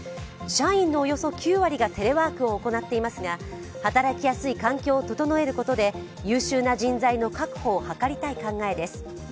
社員のおよそ９割がテレワークを行っていますが働きやすい環境を整えることで優秀な人材の確保を図りたい考えです。